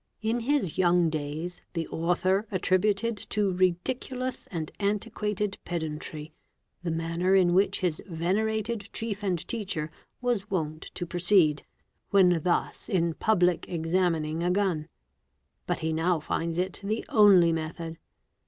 In his young days the author attributed to ridiculous and antiquated pedantry the manner in which his venerated chief and teacher was wont to proceed, when thus in public examining a gun; but he now finds it the only method.